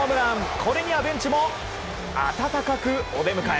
これにはベンチも暖かくお出迎え。